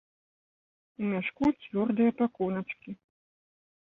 У мяшку цвёрдыя пакуначкі.